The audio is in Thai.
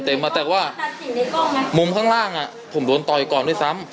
แต่ว่ามุมข้างผมโดนต่อยก่อนด้วยซ้ำ